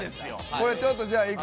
これちょっとじゃあいく？